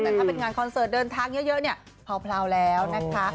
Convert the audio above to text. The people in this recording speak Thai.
แต่ถ้าเป็นงานคอนเสิร์ตเดินทางเยอะเนี่ยเผาแล้วนะคะ